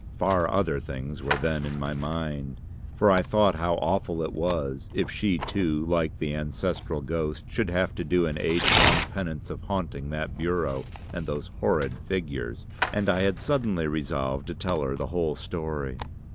Far other things were then in my mind. For I thought how awful it was, if she too, like the ancestral ghost, should have to do an age long penance of haunting that bureau and those horrid figures, and I had suddenly resolved to tell her the whole story.